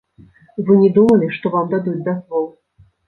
Вы не думалі, што вам дадуць дазвол.